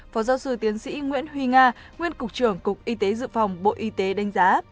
phó giáo sư tiến sĩ nguyễn huy nga nguyên cục trưởng cục y tế dự phòng bộ y tế đánh giá